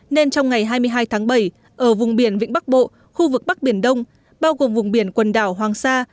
nên trong ngày hai mươi hai tháng bảy ở vùng biển vĩnh bắc bộ khu vực bắc biển đông bao gồm vùng biển quần đảo hoàng sa